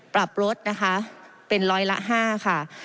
ปรับลดนะคะเป็นร้อยละ๕ค่ะ